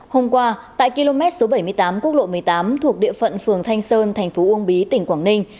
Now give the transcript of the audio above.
hôm qua tại km bảy mươi tám quốc lộ một mươi tám thuộc địa phận phường thanh sơn tp uông bí tỉnh quảng ninh